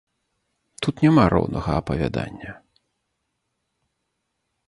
Тут няма роўнага апавядання.